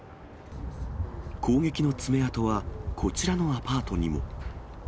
攻撃の爪痕は、こちらのアパートにも。